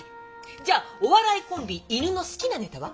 じゃお笑いコンビいぬの好きなネタは？